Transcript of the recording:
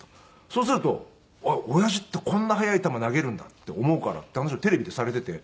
そうすると親父ってこんな速い球投げるんだって思うからっていう話をテレビでされてて。